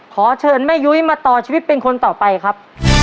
ขอเชิญแม่ยุ้ยมาต่อชีวิตเป็นคนต่อไปครับ